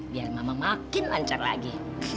biar mama makin lancar lagi